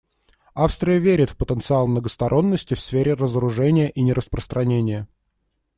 Австрия верит в потенциал многосторонности в сфере разоружения и нераспространения.